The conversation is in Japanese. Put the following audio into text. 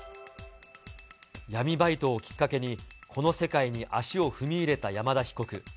闇バイトをきっかけに、この世界に足を踏み入れた山田被告。